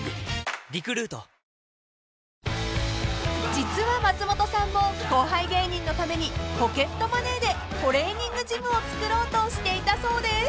［実は松本さんも後輩芸人のためにポケットマネーでトレーニングジムをつくろうとしていたそうです］